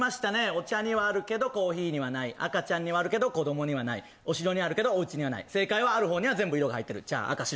お茶にはあるけどコーヒーにはない赤ちゃんにはあるけど子供にはないお城にあるけどおうちにはない正解はある方には全部色が入ってる茶